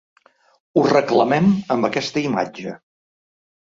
Ho reclamem amb aquesta imatge.